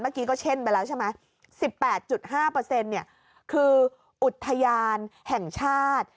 เมื่อกี้ก็เช่นไปแล้วใช่ไหม๑๘๕คืออุทยานแห่งชาติ